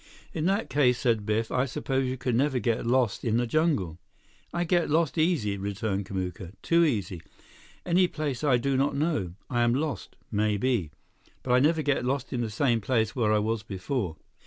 "In that case," said Biff, "I suppose you can never get lost in the jungle." "I get lost easy," returned Kamuka. "Too easy. Any place I do not know, I am lost—maybe. But I never get lost in the same place where I was before."